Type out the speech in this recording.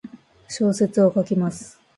小説を書きます。